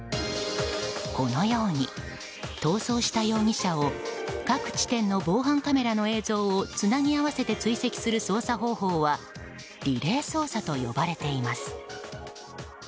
このように逃走した容疑者を各地点の防犯カメラの映像をつなぎ合わせて追跡する捜査方法はリレー捜査と呼ばれています。